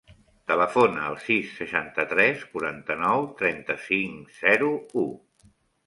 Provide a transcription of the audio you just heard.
Telefona al sis, seixanta-tres, quaranta-nou, trenta-cinc, zero, u.